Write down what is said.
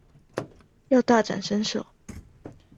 要大展身手